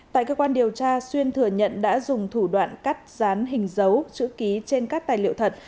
tại cơ quan điều tra xuyên thừa nhận đã dùng thủ đoạn cắt dán hình giấu chữ ký trên các tài liệu thật